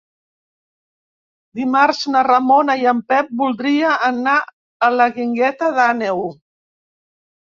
Dimarts na Ramona i en Pep voldria anar a la Guingueta d'Àneu.